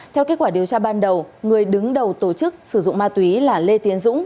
theo kết quả điều tra ban đầu người đứng đầu tổ chức sử dụng ma túy là lê tiến dũng